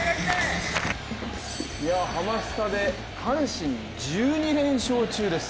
ハマスタで阪神１２連勝中です。